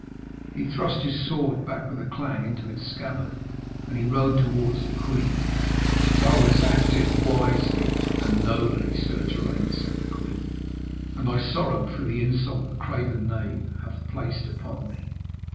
He thrust his sword back with a clang into its scabbard, and rode towards the queen. 'Thou hast acted wisely and nobly, Sir Geraint,' said the queen, 'and I sorrow for the insult the craven knave hath placed upon thee.'